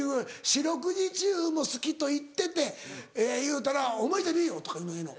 「四六時中も好きと言って」って言うたら「お前じゃねえよ」とかいうのがええの？